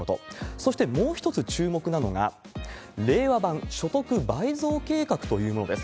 そしてもう一つ注目なのが、令和版所得倍増計画というものです。